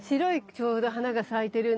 ちょうど花が咲いてるんですけど。